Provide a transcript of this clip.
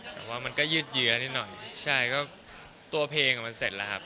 แต่ว่ามันก็ยืดเยื้อนิดหน่อยใช่ก็ตัวเพลงอ่ะมันเสร็จแล้วครับ